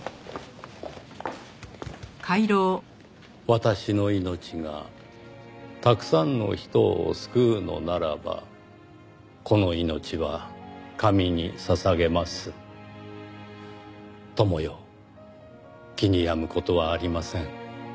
「私の命がたくさんの人を救うのならばこの命は神に捧げます」「友よ気に病む事はありません」